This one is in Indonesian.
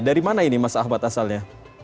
dari mana ini mas ahmad asalnya